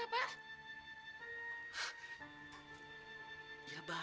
nanti disayangin kan sudah